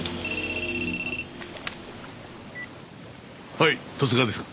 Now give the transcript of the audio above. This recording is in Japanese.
はい十津川ですが。